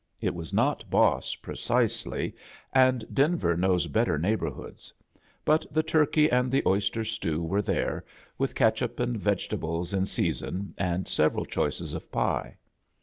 It was not boss, precisely, and Denver knows better neighborhoods; but the turkey and the oyster Btew were there, with catsup and vegetables in sea son, and several choices of pie.